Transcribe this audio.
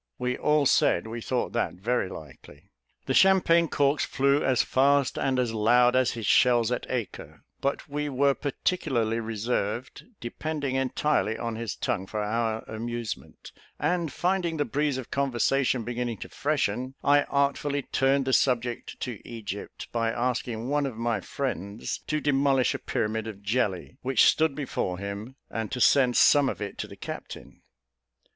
We all said we thought that very likely. The champagne corks flew as fast and as loud as his shells at Acre; but we were particularly reserved, depending entirely on his tongue for our amusement; and, finding the breeze of conversation beginning to freshen, I artfully turned the subject to Egypt, by asking one of my friends to demolish a pyramid of jelly, which stood before him, and to send some of it to the captain.